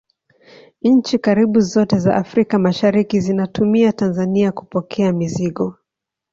nchi karibu zote za africa mashariki zinatumia tanzania kupokea mizigo